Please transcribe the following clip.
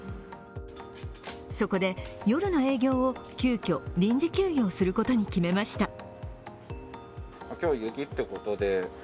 そこで夜の営業を急きょ、臨時休業することに決めました。